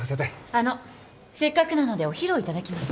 あのせっかくなのでお昼を頂きます。